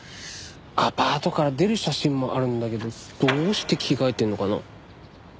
アパートから出る写真もあるんだけどどうして着替えてるのかな？